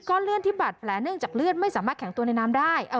เลื่อนที่บาดแผลเนื่องจากเลือดไม่สามารถแข็งตัวในน้ำได้